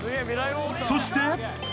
そして］